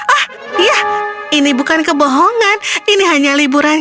ah ya ini bukan kebohongan ini hanya liburan